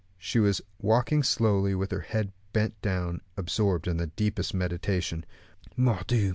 She was walking slowly, her head bent down, absorbed in the deepest meditation. "_Mordioux!